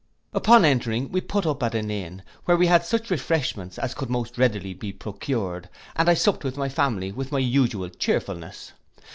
Upon entering, we put up at an inn, where we had such refreshments as could most readily be procured, and I supped with my family with my usual cheerfulness.